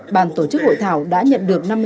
bản tổ chức hội thảo đã nhận được năm mươi hai báo cáo